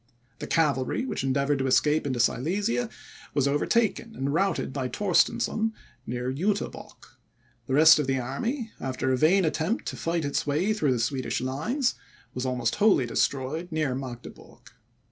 The cavalry, which endeavoured to escape into Silesia, was overtaken and routed by Torstensohn, near Juterbock; the rest of the army, after a vain attempt to fight its way through the Swedish lines, was almost wholly destroyed near Magdeburg.